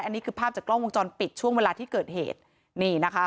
อันนี้คือภาพจากกล้องวงจรปิดช่วงเวลาที่เกิดเหตุนี่นะคะ